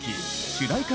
主題歌